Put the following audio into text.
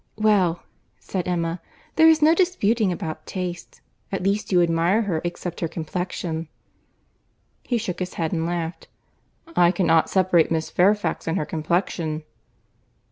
"Well," said Emma, "there is no disputing about taste.—At least you admire her except her complexion." He shook his head and laughed.—"I cannot separate Miss Fairfax and her complexion."